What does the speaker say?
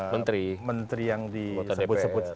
menteri yang disebut sebut